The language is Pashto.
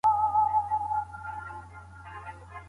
یوازې غرونه او کمرونه تاو دي